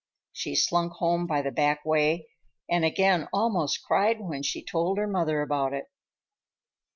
She slunk home by the back way, and again almost cried when she told her mother about it.